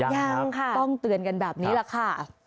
ยังค่ะต้องเตือนกันแบบนี้แหละค่ะ